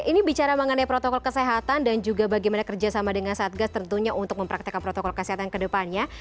ini bicara mengenai protokol kesehatan dan juga bagaimana kerjasama dengan satgas tentunya untuk mempraktekan protokol kesehatan kedepannya